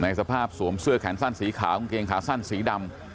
สภาพสวมเสื้อแขนสั้นสีขาวกางเกงขาสั้นสีดำ